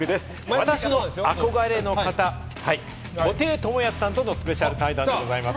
私の憧れの方、布袋寅泰さんとのスペシャル対談です。